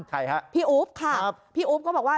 ใครฮะพี่อุ๊บค่ะพี่อุ๊บก็บอกว่า